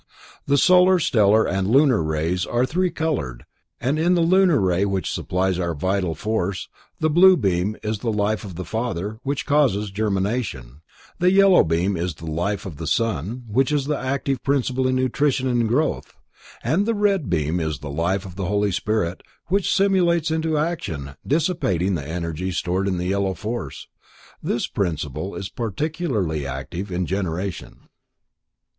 The solar, stellar and lunar rays are three colored, and in the lunar ray which supplies our vital force, the blue beam is the life of The Father, which causes germination, the yellow beam is the life of The Son, which is the active principle in nutrition and growth, and the red beam is the life of the Holy Spirit, which stimulates to action, dissipating the energy stored by the yellow force. This principle is particularly active in generation.